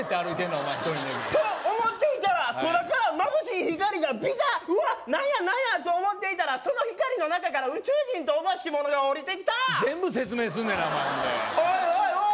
お前１人の時と思っていたら空からまぶしい光がビカッうわっ何や何やと思っていたらその光の中から宇宙人とおぼしきものが降りてきた全部説明すんのやなお前ほんでおい